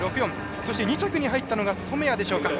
そして、２着に入ったのが染谷でしょうか。